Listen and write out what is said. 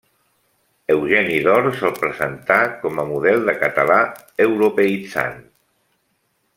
Eugeni d’Ors el presentà com a model de català europeïtzant.